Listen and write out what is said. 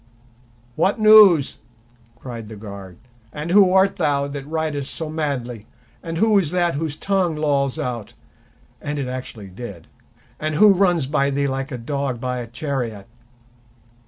"What news?" cried the guard. "And who art thou that ridest so madly, and who is that whose tongue lolls out"—and it actually did—"and who runs by thee like a dog by a chariot?"